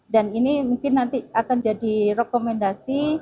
dan ini mungkin nanti akan jadi rekomendasi